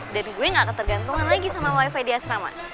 dan gue gak ketergantungan lagi sama wifi di asrama